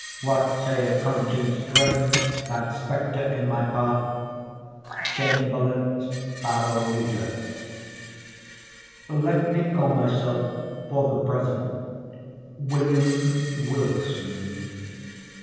what say of CONSCIENCE grim, That spectre in my path? —Chamberlayne's Pharronida. Let me call myself, for the present, William Wilson.